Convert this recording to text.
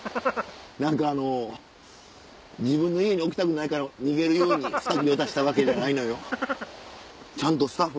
何かあの自分の家に置きたくないから逃げるようにスタッフに渡したわけじゃないのよ。